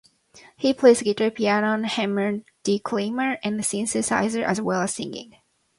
He plays guitar, piano, hammered dulcimer, and synthesizer, as well as singing.